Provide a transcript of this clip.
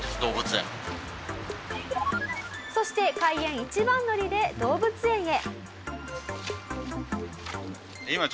そして開園一番乗りで動物園へ。